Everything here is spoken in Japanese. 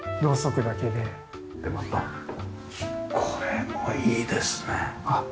でまたこれもいいですね。